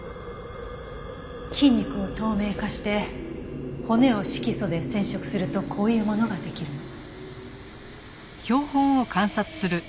筋肉を透明化して骨を色素で染色するとこういうものができるの。